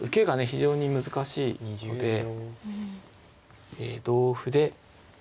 非常に難しいので同歩で。